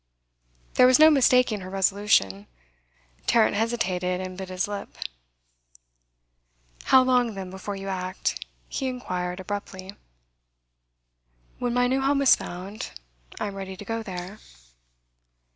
There was no mistaking her resolution. Tarrant hesitated, and bit his lip. 'How long, then, before you act?' he inquired abruptly. 'When my new home is found, I am ready to go there.